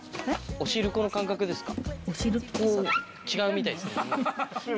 おしるこの感覚ですか？